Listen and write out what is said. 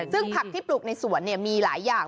ซึ่งผักที่ปลูกในสวนมีหลายอย่าง